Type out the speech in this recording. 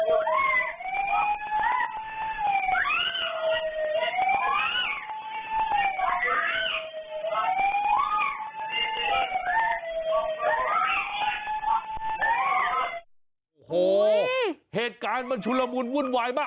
โอ้โหเหตุการณ์มันชุนละมุนวุ่นวายมาก